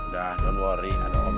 dah jangan lori